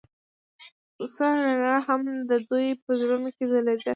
د کوڅه رڼا هم د دوی په زړونو کې ځلېده.